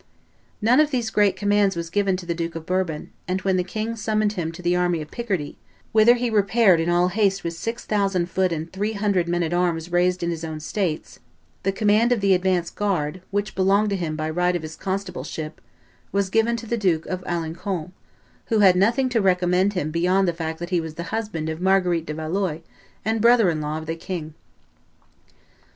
None of these great commands was given to the Duke of Bourbon; and when the king summoned him to the army of Picardy, whither he repaired in all haste with six thousand foot and three hundred men at arms raised in his own states, the command of the advance guard, which belonged to him by right of his constableship, was given to the Duke of Alencon, who had nothing to recommend him beyond the fact that he was the husband of Marguerite de Valois and brother in law of the king.